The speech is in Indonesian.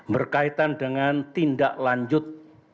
berkaitan dengan tindak lanjut